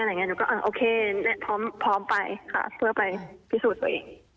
หนูก็โอเคพร้อมไปเพื่อไปพิสูจน์ไว้